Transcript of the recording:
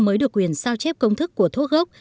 các doanh nghiệp có quyền sao chép công thức của thuốc ốc